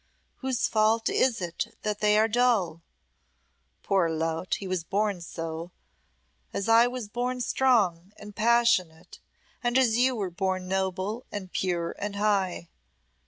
Whose fault is it that they are dull? Poor lout, he was born so, as I was born strong and passionate, and as you were born noble and pure and high.